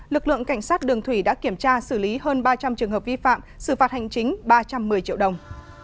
lực lượng cảnh sát đường thủy đã kiểm tra xử lý hơn ba trăm linh trường hợp vi phạm xử phạt hành chính ba trăm một mươi triệu đồng